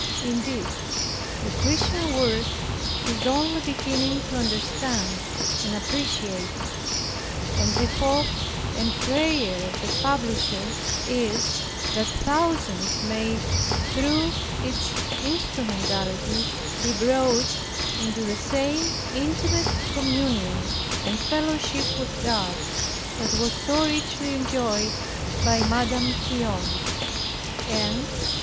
Indeed, the Christian world is only beginning to understand and appreciate it, and the hope and prayer of the publisher is, that thousands may, through its instrumentality, be brought into the same intimate communion and fellowship with God, that was so richly enjoyed by Madame Guyon. E. J.